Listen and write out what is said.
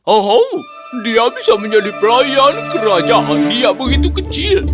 oh dia bisa menjadi pelayan kerajaan dia begitu kecil